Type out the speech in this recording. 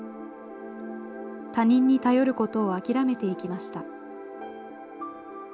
他人に頼ることを諦めていきました。